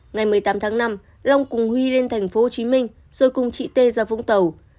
ngày một mươi tám tháng năm long cùng huy lên tp hcm rồi cùng chị tê ra vũng tàu